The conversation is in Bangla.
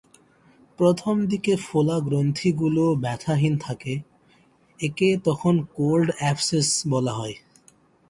প্রথম দিকে ফোলা গ্রন্থিগুলো ব্যথাহীন থাকে—একে তখন কোল্ড অ্যাবসেস বলা হয়।